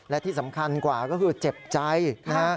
และที่สำคัญกว่าก็คือเจ็บใจนะฮะ